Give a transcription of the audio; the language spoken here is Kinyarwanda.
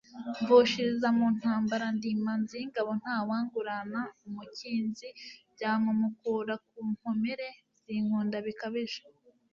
mvushiliza mu ntambara, ndi Imanzi y'ingabo ntawangurana umukinzi, byamumukura ku nkomere zinkunda bikabije,